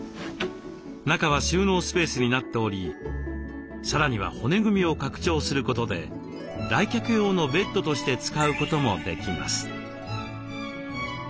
中は収納スペースになっておりさらには骨組みを拡張することで来客用のベッドとして使うこともできます。